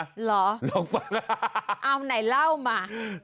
เหรอเอาไหนเล่ามาลองฟัง